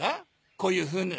こういうふうに。